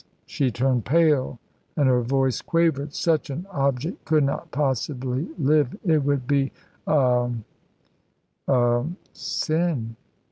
She turned pale, and her voice quavered. "Such an object could not possibly live. It would be a a sin."